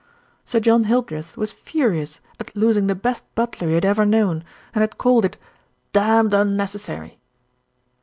Sir John Hildreth was furious at losing the best butler he had ever known, and had called it "damned unnec essary."